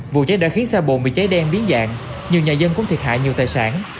vụ cháy đã khiến xe bồn bị cháy đen biến dạng nhiều nhà dân cũng thiệt hại nhiều tài sản